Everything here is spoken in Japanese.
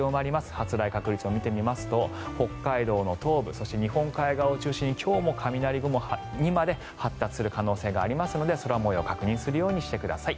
発雷確率を見てみますと北海道の東部そして日本海側を中心に今日も雷雲にまで発達する可能性がありますので空模様を確認するようにしてください。